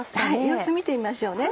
様子見てみましょうね。